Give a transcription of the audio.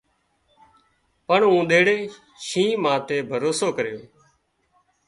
پڻ اونۮيڙي شينهن ماٿي ڀروسو ڪريو